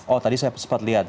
oh tadi saya sempat lihat